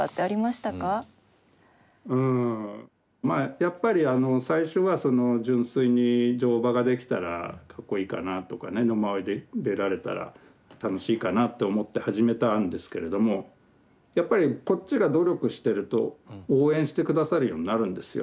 やっぱり最初はその純粋に乗馬ができたらかっこいいかなあとかね野馬追出られたら楽しいかなって思って始めたんですけれどもやっぱりこっちが努力してると応援して下さるようになるんですよ。